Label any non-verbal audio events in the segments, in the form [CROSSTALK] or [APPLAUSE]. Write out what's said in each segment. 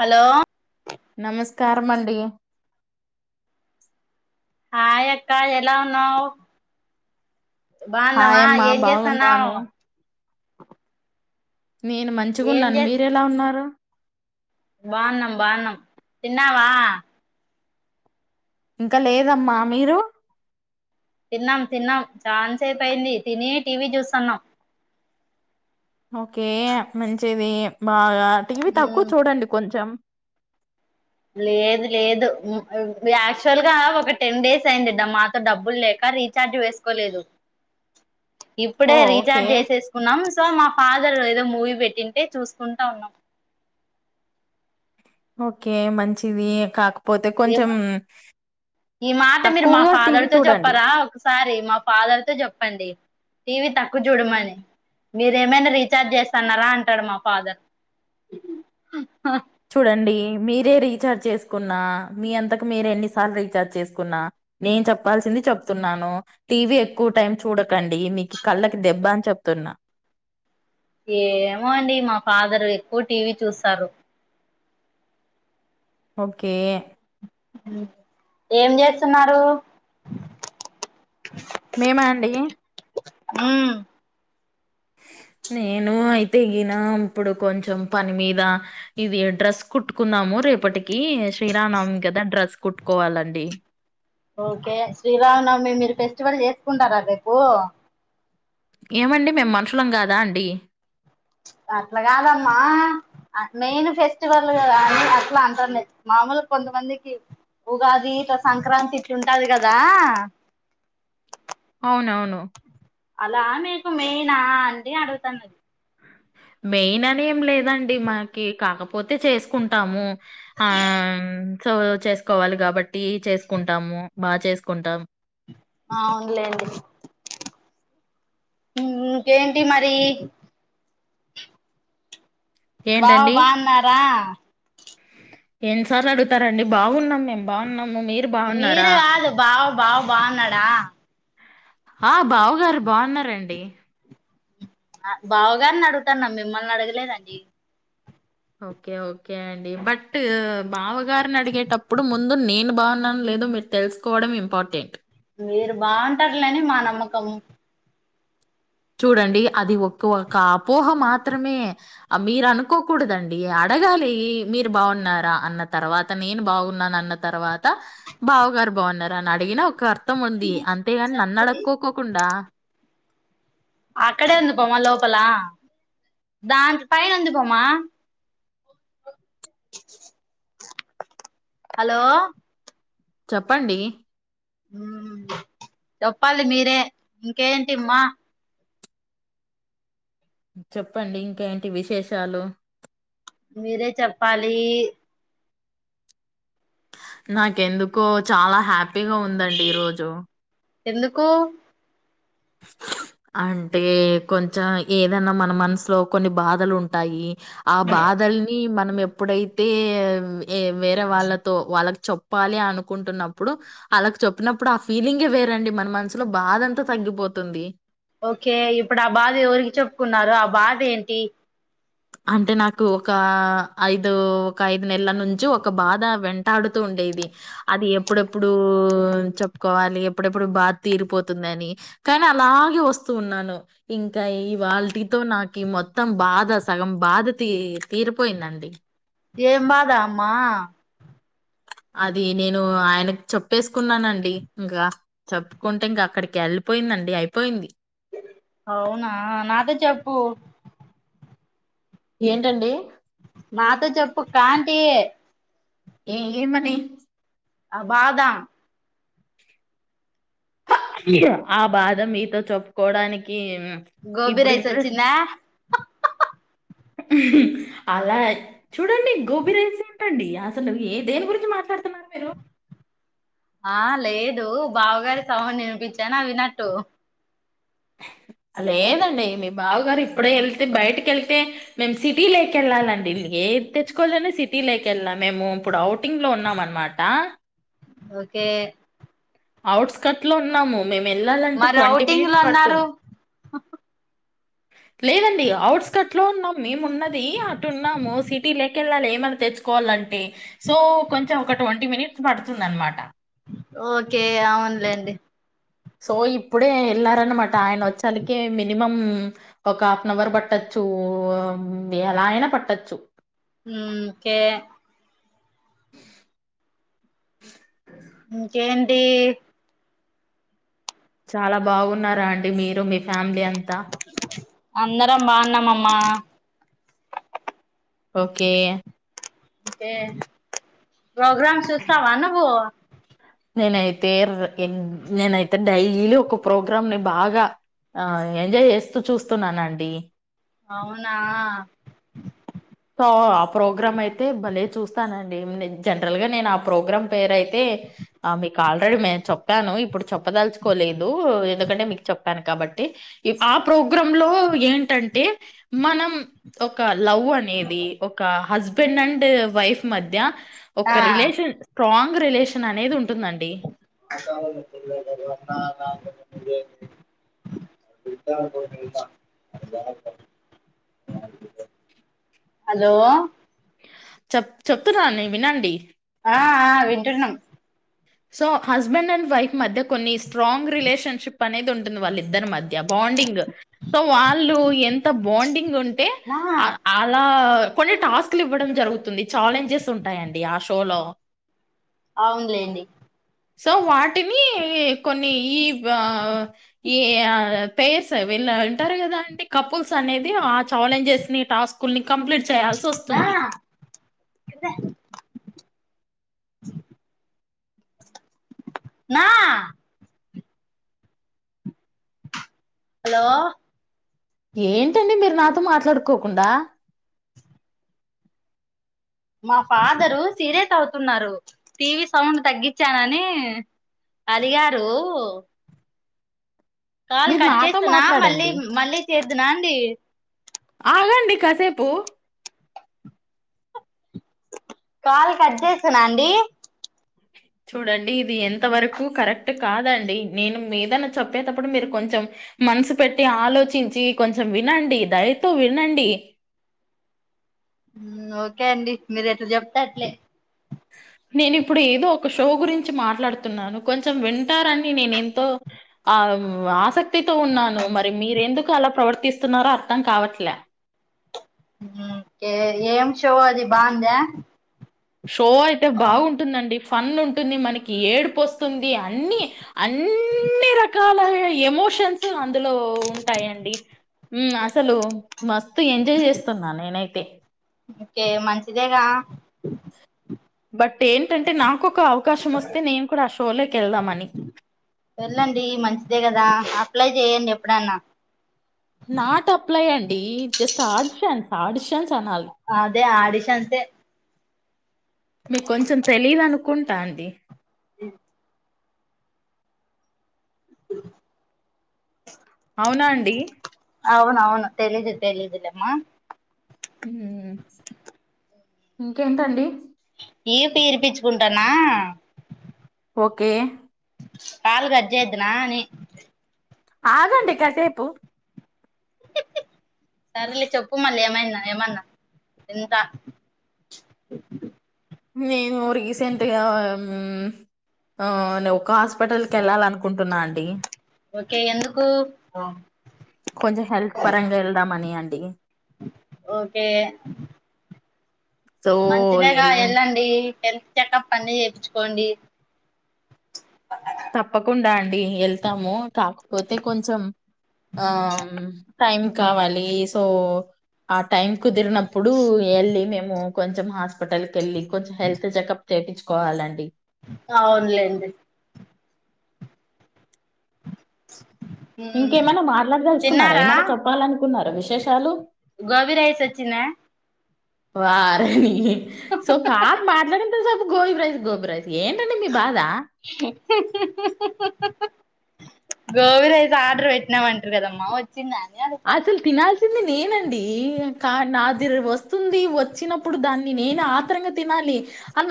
Hello నమస్కారం అండి హాయ అక్క ఎలా ఉన్నావు బాగున్నావా హాయమ్మా ఏం బాగున్నాను చేసాన్నావ్ నేను మంచిగున్నాను మీరు ఎలా ఉన్నారు బాన్నం బానం తిన్నవా ఇంకా లేదమ్మా మీరు తిన్నాం తిన్నాం చానా సేపు అయింది తిని టీవీ చూస్తున్నాం ఓకే మంచిది బాగా టీవీ తక్కువ ఉమ్, చూడండి కొంచెం లేదు లేదు యాక్చువల్ గా ఒక టెన్ డేస్ అయింది మాతో డబ్బులు లేక రీఛార్జ్ వేసుకోలేదు ఇప్పుడే ఓ ఓకే రీచార్జ్ చేసేసుకున్నాం సో మా ఫాదర్ ఏదో మూవీ పెట్టింటే చూసుకుంటా ఉన్నాం ఓకే మంచిది కాక్ ఏమ ఈ మాట మీరు మా తక్కువగా ఫాదర్ టీవీ తో చూడండి చెప్పారా ఒక సారి మా ఫాదర్ తో చెప్పండి టీవీ తక్కువ చూడమని మీరేమనా రీఛార్జ్ చేస్తన్నారా అంటాడు మా ఫాదర్ చూడండి మీరే రీచార్జ్ చేసుకున్న మీ అంతకు మీరు ఎన్నిసార్లు రీఛార్జ్ చేసుకున్న నేను చెప్పాల్సింది చెప్తున్నాను టీవీ ఎక్కువ టైం చూడకండి మీకి కళ్ళకి దెబ్బ అని చెప్ ప్తున్నా ఏమో అండి మా ఫాదర్ ఎక్కువ టీవీ చూస్తారు ఓకే ఏం చేస్తున్నారు మేమ అండీ ఉమ్ నేను అయితే ఈన ఇప్పుడు కొంచెం పని మీద ఇది డ్రెస్ కుట్టుకున్నాము ము రేపటికి శ్రీరానవమి కదా డ్రెస్ కుట్టుకోవాలండి ఓకే శ్రీరామనవమి మీరు ఫెస్టివల్ చేసుకుంటారా రేపు ఏమండి మేం మనుషులం కాదా అండి అట్ల కాదమ్మా మెయిన్ ఫెస్టివల్ కాని అట్లా అంటుంది మామూలు కొంద కొంతమందికి ఉగాది ఇట్ల సంక్రాంతి ఇట్ ఉంటది కదా అవునవును అలా మీకు మెయినా అండి అడుగుతన్నది మెయిన్ అని ఏం లేదండి మాకి కాకపోతే చేసుకుంటాము ఆ సో చేసుకోవాలి కాబట్టి చేసుకుంటాము బాగా చేసుకుంటాం అవును లేండి ఇంకేంటి మరి బావ బాన్నారా ఎన్ని సార్లు అడుగుతారండి బాగున్నాం మేం బాగున్నాం మీరు కాదు బావ బావ బాగున్నాడా ఆ బావగారు బాగున్నారండి అ బావగారిని అడుగుతన్నం మిమ్మల్ని అడగలేదండి ఓకే ఓకే అండి బట్ బావగారిని అడిగేటప్పుడు ముందు నేను బాగునా నో లేదో మీరు తెలుసుకోవడం ఇంపార్టెంట్ మీరు బాగుంటారులే అని మా నమ్మకము చూడండి అది ఒక్ ఒక అపోహ మాత్రమే ఆ మీరు అనుకోకూడదండి ఆ అడగాలి మీరు బాగున్నారా అన్న తర్వాత నేను బాగున్నాన అన్న తర్వాత బావ గారు బాగున్నారు అని అడిగినా ఒక అర్థం ఉంది అంతేగాని నన్ను అడుక్కోకోకుండా అక్కడే వుంది పోమా లోపల దాని పైన వుంది పోమా హలో చెప్పండి ఊ చెప్పాలి మీరే ఇంకేంటిమ్మా చెప్పండి ఇంకేంటి విశేషాలు మీరే చెప్పాలి నాకెందుకో చాలా హ్యాపీగా ఉందండి ఈరోజు ఎందుకు [INAUDIBLE] అంటే కొంచెం ఏదన్నా మన మనసులో కొన్ని బాధలు ఉంటాయి ఆ బాదల్ని మనం ఎప్పుడైతే ఏ వేరే వాళ్ళతో వాళ్ళకి చెప్పాలి అనుకుంటున్నప్పుడు ఆలకి చెప్పినప్పుడు ఆ ఫీలింగే వేరండి మన మనసులో బాధ అంతా తగ్గిపోతుంది ఓకే ఇప్పుడు ఆ బాధ ఎవరికి చెప్పుకున్నారు ఆ బాధ ఏంటి అంటే నాకు ఒక ఐదు ఒక ఐదు నెలల నుంచి ఒక బాధ వెంటాడుతూ ఉంటే ది అది ఎప్పుడెప్పుడు చెప్పుకోవాలి ఎప్పుడెప్పుడు బాధ తీరిపోతుందని కానీ అలాగే వస్తూ ఉన్నాను ఇంకా ఇవ్వాల టీతో నాకు ఈ మొత్తం బాధ సగం బాధ తీ తీరిపోయిందండి ఏం బాధ అమ్మా [INAUDIBLE] అది నేను ఆయనకి చెప్పేసుకున్నానండి ఇంకా చెప్పుకుంటే ఇంకా అక్కడికి వెళ్ళిపోయింది అండి అయిపోయింది అవునా నాతో చెప్పు ఏంటండి మాతో చెప్పు కాంటి ఏ ఏ మనీ అ బాధ ఆ బాధ మీతో చెప్పుకోడానికి గోబీ ఇప్పుడు రైస్ ఇంటరెస్ట్ వచ్చిందా అలా చూడండి గోబి రైస్ ఏంటండి అసలు ఏ దేని గురించి మాట్లాడుతునారు సర వరు [UNINTELLIGIBLE] ఆ లేదు బావగారి సౌండ్ వినిపించాను అ వినట్టు [INAUDIBLE] లేదండి మీ బావగారు ఇప్పుడే వెళ్తే బయటికీ వెళ్ళితే మేం సిటీ లేక వెళ్ళాలండి ఏది తెచ్చుకోవాలని సిటీలోకి వెళ్ళాలీ మేము ఇప్పుడు అఔటింగ్ లో ఉన్నాం అన్న మాట ఓకే అవుట్స్కట్ లో ఉన్నాము మేము వెళ్ళాలంటే మరి ట్వంటీ ఔటింగ్లు మినిట్స్ అన్నారు పడుతుంది [INAUDIBLE] లేదండి అఔట్స్కట్ లో ఉన్నాం మేము ఉన్నది అటు ఉన్నాము సిటీలోక వెళ్ళాలి ఏమైన్నా తెచ్చుకోవాలన్న అంటే సో కొంచెం ఒక ట్వంటీ మినిట్స్ పడుతుంది అనమాట ఓకే అవునులేండి సో ఇప్పుడే వెళ్లారనమాట ఆయన వచ్చానికి మినిమం ఒక హాఫ్ అన్ అవర్ పట్టచ్చ చు ఎలా అయినా పట్టొచ్చు కే అహ ఇంకేంటి చాలా బాగున్నారా అండి మీరు మీ ఫ్యామిలీ అంతా అందరం బాగున్నామమ్మా ఓకే ప్రోగ్రామ్ చూస్తావా నువ్వు నేనైతే నేనైతే డైలీలో ఒక ప్రోగ్రామ్ ని బాగా ఆ ఎంజాయ్ చేస్తూ చూస్తున్నానండి అవునా సో ఆ ప్రోగ్రామ్ అయితే భలే చూస్తానండి జనరల్ గా నేను ఆ ప్రోగ్రాం పేరు అయితే ఆ మీకు ఆల్రెడీ మేము చెప్పాను ఇప్పుడు చెప్పదలుచుకోలేదు ఎందుకంటే మీకు చెప్పాను కాబట్టి ఆ ప్రోగ్రామ్ లో ఏంటంటే మనం ఒక లవ్ అనేది ఒక హస్బెండ్ అండ్ వైఫ్ మధ్య ఒక ఆ రిలేషన్ స్ట్రాంగ్ రిలేషన్ అనేది ఉంటుంది మాతవణ గ వన్నద [UNINTELLIGIBLE] అా అ [UNINTELLIGIBLE] హలో చెప్ చెప్తున్నా న వినండి ఆ ఆ వింటున్నాం సో హస్బెండ్ అండ్ వైఫ్ మధ్య కొన్ని స్ట్రాంగ్ రిలేషన్షిప్ అనేది ఉంటుంది వాళ్ళిద్దరి మ థ్య బాండింగ్ సో వాళ్ళు ఎంత బాండింగ్ ఉంటే ఆ అ అలా కొన్ని టాస్క్లు ఇవ్వడం జరుగుతుంది ఛాలెంజెస్ ఉంటాయండి ఆ షోలో అవునులేండి సో వాటిని కొన్ని ఈ వా ఈ ఆ పెర్స్ వీళ్ళ ఉంటారు కదా అండి కపుల్స్ అనేది ఆ ఛాలెంజెస్ ని టాస్కుల్ ని కంప్లీట్ చేయాల్సి నా వస్తుంది నా హలో ఏంటండి మీరు నాతో మాట్లాడుకోకుండా మా ఫాదరు సీరియస్ అవుతున్నారు టీవీ సౌండ్ తగ్గించానని అలిగారు కాల్ మీరు కట్ నాతో చేస్తున్న మళ్ళీ మాట్లాడండి మళ్ళీ చేద్దున అండి ఆగండి కాసేపు కాల్ కట్ చేసెనా అండి ఓకే చూడండి ఇది ఎంత వరకు కరెక్ట్ కాదండి నేను ఏదన్న చెప్పేతప్పుడు మీరు కొంచెం మనసు పెట్టి ఆలోచించి కొంచెం వినండి దయతో వినండి ఓకే అండి మీరు ఎట్లా జేప్తె అట్లే అహ నేను ఇప్పుడు ఏదో ఒక షో గురించి మాట్లాడుతున్నాను కొంచెం వింటారని నేను ఎంతో ఆ ఆశక్తితో ఉన్నాను మరి మీరు ఎందుకు అలా ప్రవర్తిస్తున్నారో అర్థం కావట్లే ఏ ఏం షో అది బావుందా షో అయితే బావుంటుందండి ఫన్ ఉంటుంది మనకి ఏడుపు వస్తుంది అన్ని అన్నీ రకాల ఎమో షన్స్ అందులో ఉంటాయిండి అస్సలు మ స్తు ఎంజాయ్ చేస్తున్నా నేనైతే ఓకే మంచిదేగా బట్ ఏంటంటే నాకు ఒక ఆ షోలోకెళ్దామని. వెళ్ళండి మంచిదే కదా అప్ అప్లై జేయ్యండి ఎప్పుడన్న నాట్ అప్లై అండి జస్ట్ ఆడిషన్స్ ఆడిషన్స్ అనాలి. అదే ఆడిషన్స్ యె మీకు కొంచెం తెలిదు అనుకుంటా అండి మ్మ్ అవునా అండి? అవునవును తెలీదు తెలిదులేమ్మ హ్మ్ ఇంకేంటండి ఇర్పు ఇర్పిచుకుంటన్నా ఓకే కాల్ గట్ జేద్దున్న అని ఆగండి కాసేపు సరేలే చెప్పు మళ్ళీ ఏమైన ఏమన్నా వింద మేము రీసెంట్ గా మ్మ్మ్ ఆ ఒకాస్ స్పిటల్ కెళ్ళాలి అనుకుంటున్న అండి ఏ ఎందుకు కొంచెం హెల్త్ పరంగా ఎళ్దామని అండి ఓకే సో మంచిదేగా వెళ్ళి ఎళ్ళండి హెల్త్ చెకప్ అన్ని ప్పిచుకోండి తప్పకుండా అండి ఎళ్తాము కాకపోతే కొంచెం ఆ టైం కావాలి సో ఆ టైం కుదిరినప్పుడు ఎల్లి మేము కొంచెం హాస్పిటల్ కెళ్ళి కొంచెం హెల్త్ చెకప్ చేప్పిచ్చ్కోవాలండి అవునులేండి ఉమ్ ఇంకేమనా మాట్లాడదలుచుకున్నారా తిన్నారా ఏమనా చెప్పాలనుకున్నారా విశేషాలు గోబీ రైస్ వచ్చిందా వారిని సో కాల్ మాట్లాడినంత సేపు గోబి రైస్ గోబి రైస్ ఏంటండి మీ బాధ హుహుః హుహుః గోబీ రైస్ ఆర్డర్ పెట్టినమ్మంటిరి కదమ్మా వచ్చిందా అని అడుగుతన పెట్టింది నేనండి క నా దిర్ వస్తుంది వచ్చినప్పుడు దాన్ని నేను ఆత్రంగా తినాలి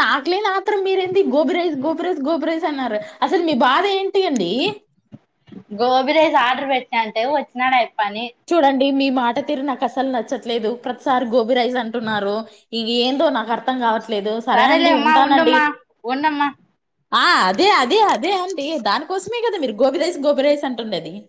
నాకు లేని ఆత్రం మీరేంది gobi rice gobi rice gobi rice అన్నారు అసలు మీ బాధేం గోబీ రైస్ ఆర్డర్ పెట్టిన అంటే వచ్చినాడాయప్పని మీ మీ మాట తీరు నాకసలు నచ్చట్లేదు ప్రతిసారి గోబి రైస్ అంటున్నారు, ఇది ఏందో నాకర్థం కావట్లే. లేదు సరే అండి సరేలేమ్మా ఉంటానండి ఉండమ్మా ఉండమ్మా ఆ అదే అదే అదే అండి దానికోసమే గదా మీరు గోబి రైస్ గోబి రైస్ అంటుడది [INAUDIBLE]